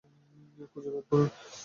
খুঁজে বের করুন।